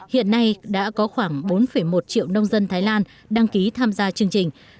hiện nay đã có khoảng bốn một triệu nông dân thái lan đăng ký tham gia chương trình